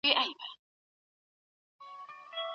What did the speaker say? د هېواد بهرنیو اړيکي له ستونزو خالي نه دي.